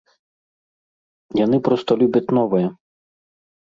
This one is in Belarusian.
Яны проста любяць новае.